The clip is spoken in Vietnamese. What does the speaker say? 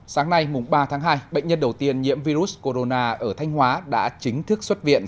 sáng nay mùng ba tháng hai bệnh nhân đầu tiên nhiễm virus corona ở thanh hóa đã chính thức xuất viện